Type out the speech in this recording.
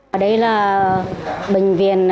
ở đây là bệnh viện